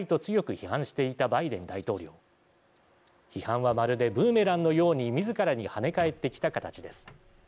批判はまるでブーメランのようにみずからに跳ね返ってきた形です。